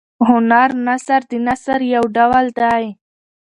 هنر نثر د نثر یو ډول دﺉ.